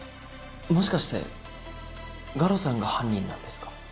もしかして我路さんが犯人なんですか？